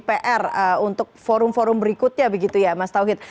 pr untuk forum forum berikutnya begitu ya mas tauhid